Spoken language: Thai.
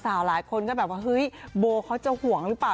หลายคนก็แบบว่าเฮ้ยโบเขาจะห่วงหรือเปล่า